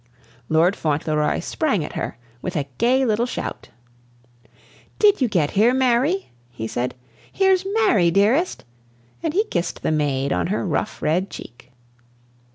Lord Fauntleroy sprang at her with a gay little shout. "Did you get here, Mary?" he said. "Here's Mary, Dearest," and he kissed the maid on her rough red cheek.